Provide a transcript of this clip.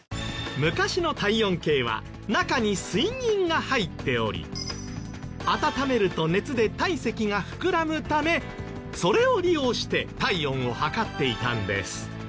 昔の体温計は中に水銀が入っており温めると熱で体積が膨らむためそれを利用して体温を測っていたんです。